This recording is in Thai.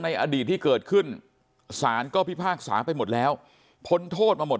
อดีตที่เกิดขึ้นสารก็พิพากษาไปหมดแล้วพ้นโทษมาหมด